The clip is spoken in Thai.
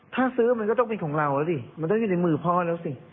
ถ้าซื้อมันก็ต้องเป็นของเราแล้วสิมันต้องอยู่ในมือพ่อแล้วสิ